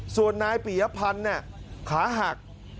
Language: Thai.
ส่วนนายปียพันธ์ขาหัก